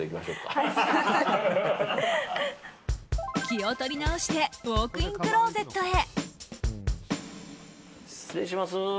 気を取り直してウォークインクローゼットへ。